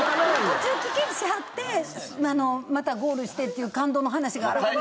途中棄権しはってまたゴールしてっていう感動の話が。